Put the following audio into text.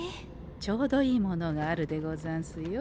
ちょうどいいものがあるでござんすよ。